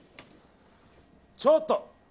ちょっと！